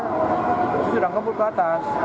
terus sudah kempul ke atas